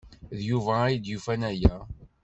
D Yuba ay d-yufan aya.